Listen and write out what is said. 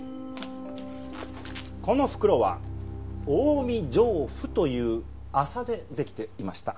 この袋は近江上布という麻でできていました。